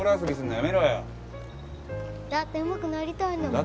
だってうまくなりたいんだもん。